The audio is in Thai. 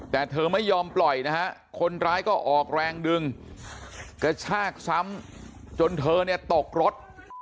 แต่เธอไม่ยอมปล่อยนะฮะคนร้ายก็ออกแรงดึงกระชากซ้ำจนเธอเนี่ยตกรถ